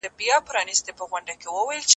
که موخه خدمت وي نو لاره اسانه ده.